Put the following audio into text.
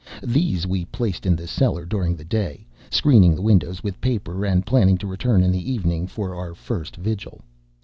These we placed in the cellar during the day, screening the windows with paper and planning to return in the evening for our first vigil.